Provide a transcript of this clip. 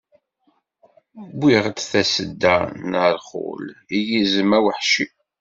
Wwiɣ-d tasedda n rrxul, i yizem aweḥci.